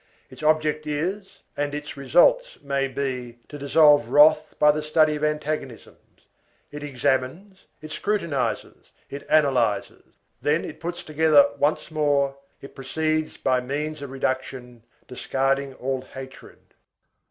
Its object is, and its result must be, to dissolve wrath by the study of antagonisms. It examines, it scrutinizes, it analyzes; then it puts together once more, it proceeds by means of reduction, discarding all hatred.